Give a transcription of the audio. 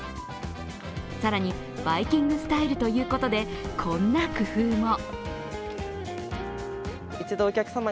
更にバイキングスタイルということで、こんな工夫も。